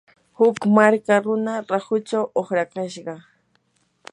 huk marka runa rahuchaw uqrakashqa.